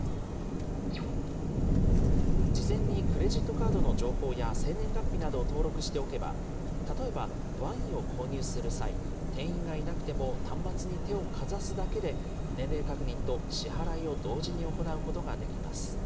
事前にクレジットカードの情報や生年月日などを登録しておけば、例えばワインを購入する際、店員がいなくても端末に手をかざすだけで年齢確認と支払いを同時に行うことができます。